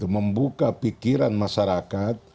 membuka pikiran masyarakat